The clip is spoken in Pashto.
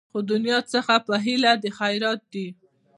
خو دنیا څخه په هیله د خیرات دي